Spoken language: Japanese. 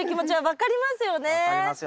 分かりますよね。